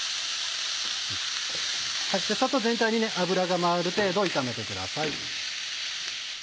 さっと全体に油がまわる程度炒めてください。